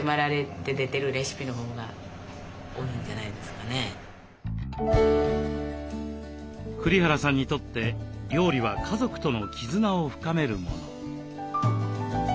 だからそういうことも私も栗原さんにとって料理は家族との絆を深めるもの。